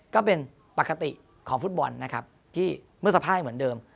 ก็เป็นปกติของฟุตบอลนะครับที่เมื่อสภาพเหมือนเดิม